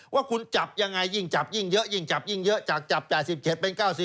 ว่าคุณจับยังไงยิ่งจับยิ่งเยอะยิ่งจับยิ่งเยอะจากจับ๘๗เป็น๙๐